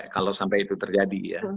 kalau sampai itu terjadi ya